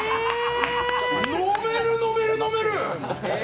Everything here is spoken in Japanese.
飲める、飲める、飲める！